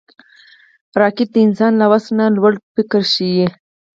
راکټ د انسان له وس نه لوړ فکر ښيي